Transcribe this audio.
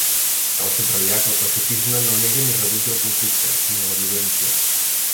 Cal subratllar que el pacifisme no nega ni rebutja el conflicte, sinó la violència.